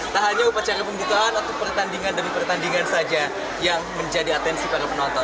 tak hanya upacara pembukaan atau pertandingan demi pertandingan saja yang menjadi atensi para penonton